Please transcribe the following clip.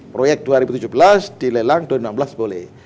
proyek dua ribu tujuh belas dilelang dua ribu enam belas boleh